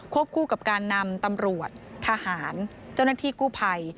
คู่กับการนำตำรวจทหารเจ้าหน้าที่กู้ภัย